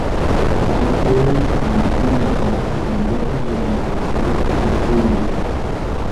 El resto de su vida transcurrió lejos de la atención del público.